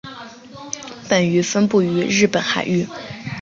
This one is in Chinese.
本鱼分布于日本海域。